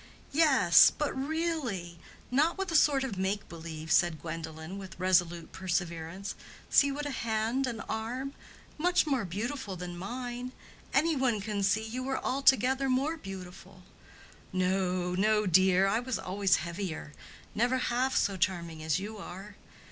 "Yes, but really. Not with a sort of make believe," said Gwendolen, with resolute perseverance. "See what a hand and arm!—much more beautiful than mine. Any one can see you were altogether more beautiful." "No, no, dear; I was always heavier. Never half so charming as you are."